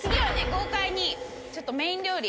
豪快にちょっとメイン料理。